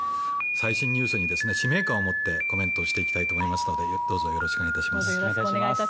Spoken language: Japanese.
最新ニュースに使命感を持ってコメントしていきたいと思いますのでよろしくお願いします。